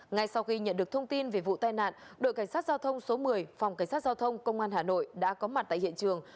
ngay sau khi nhận được thông tin về vụ tai nạn đội cảnh sát giao thông số một mươi phòng cảnh sát giao thông công an hà nội đã có mặt tại hiện trường